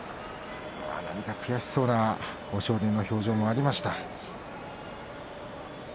悔しそうな豊昇龍の表情もありました。